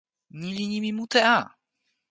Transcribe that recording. ni li nimi mute a!